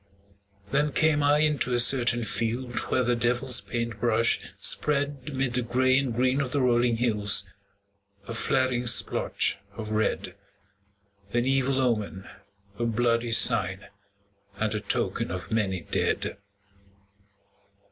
Then came I into a certain field Where the devil's paint brush spread 'Mid the gray and green of the rolling hills A flaring splotch of red, An evil omen, a bloody sign, And a token of many dead.